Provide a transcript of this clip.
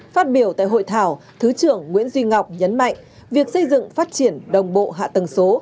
phát biểu tại hội thảo thứ trưởng nguyễn duy ngọc nhấn mạnh việc xây dựng phát triển đồng bộ hạ tầng số